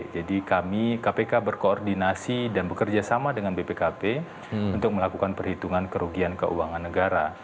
jadi kami kpk berkoordinasi dan bekerja sama dengan bpkp untuk melakukan perhitungan kerugian keuangan negara